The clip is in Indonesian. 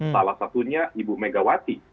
salah satunya ibu megawati